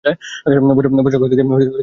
বসার ঘর থেকে ক্ষীণ হাসির শব্দ এল।